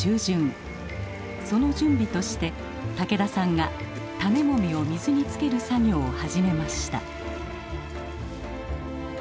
その準備として武田さんが種もみを水につける作業を始めました。